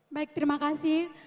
baik terima kasih